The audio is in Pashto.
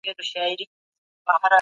حکومت باید د تعاون غوښتنه وکړي.